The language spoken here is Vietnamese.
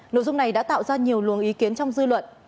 nội dung này đã tạo ra nhiều luồng ý kiến trong dư luận